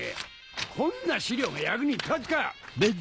こんな資料が役に立つか！